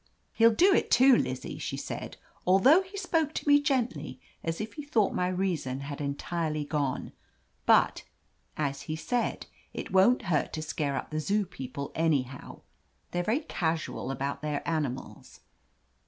"He'll do it, too, Lizzie," she said, "although he spoke to me gently, as if he thought my reason had entirely gone. But, as he said, it won't hurt to scare up the Zoo people anyhow. They're very casual about their animals."